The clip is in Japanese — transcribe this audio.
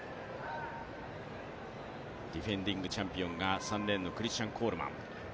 ディフェンディングチャンピオンが３レーンのクリスチャン・コールマン。